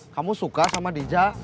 kamu suka sama dija